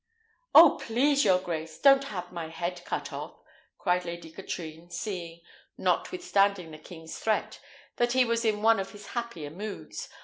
"Oh, please your grace, don't have my head cut off!" cried Lady Katrine, seeing, notwithstanding the king's threat, that he was in one of his happier moods.